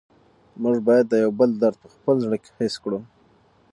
موږ باید د یو بل درد په خپل زړه کې حس کړو.